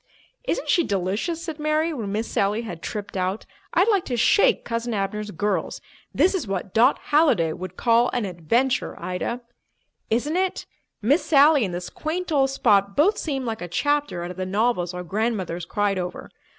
"Isn't she delicious?" said Mary, when Miss Sally had tripped out. "I'd like to shake Cousin Abner's girls. This is what Dot Halliday would call an adventure, Ida." "Isn't it! Miss Sally and this quaint old spot both seem like a chapter out of the novels our grandmothers cried over.